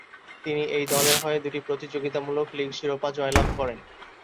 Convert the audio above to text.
তিনি এই দলের হয়ে দুটি প্রতিযোগিতামূলক লীগ শিরোপা জয়লাভ করেন।